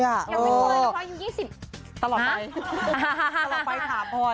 ยังไม่รู้เลยเพราะเราอีก๒๐ทรัพย์ตลอดไปถามพอ